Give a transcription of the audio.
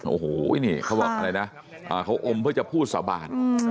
โอ้โหนี่เขาบอกอะไรนะเขาอมเพื่อจะพูดสาบาน